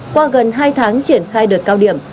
qua gần hai tháng triển khai đợt cao điểm